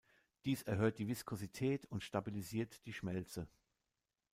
Dies erhöht die Viskosität und stabilisiert die Schmelze.